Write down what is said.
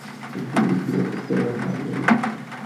Estuvo dirigido por Pedro Amalio López.